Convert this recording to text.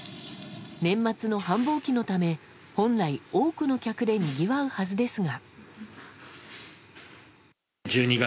年末の繁忙期のため本来、多くの客でにぎわうはずですが。